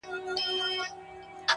راویښې کړو ویدې کوڅې، بدنامه محبته!!